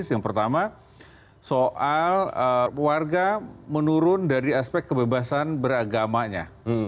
yang pertama soal warga menurun dari aspek kebebasan beragamanya